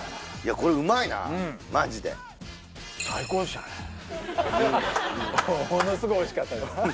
これうまいなマジでものすごいおいしかったです